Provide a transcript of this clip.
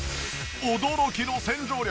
驚きの洗浄力。